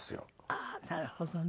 ああーなるほどね。